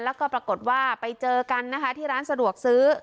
แล้วก็ปรากฏว่าไปเจอกันนะคะที่ร้านสะดวกซื้อ